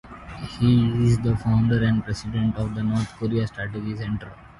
He is the founder and president of the North Korea Strategy Center.